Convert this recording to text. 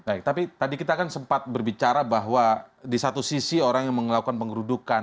baik tapi tadi kita kan sempat berbicara bahwa di satu sisi orang yang melakukan pengerudukan